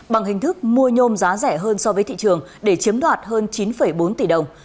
bằng hình thức mua nhôm giá rẻ hơn so với thị trường để chiếm đoạt hơn chín bốn tỷ đồng